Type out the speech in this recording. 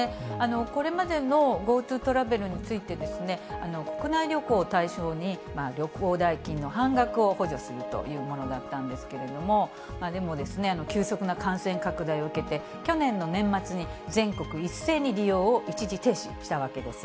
これまでのＧｏＴｏトラベルについて、国内旅行を対象に、旅行代金の半額を補助するというものだったんですけれども、でも、急速な感染拡大を受けて、去年の年末に全国一斉に利用を一時停止したわけです。